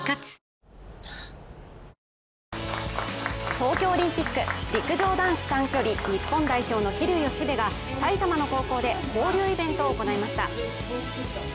東京オリンピック陸上男子短距離日本代表の桐生祥秀が、埼玉の高校で交流イベントを行いました。